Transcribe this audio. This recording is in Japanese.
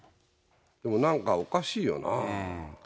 なんかおかしいよな。